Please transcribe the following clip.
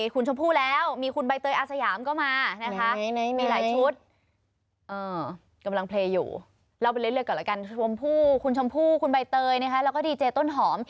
คุณชมพู่คุณใบเตยนะคะแล้วก็ดีเจต้นหอม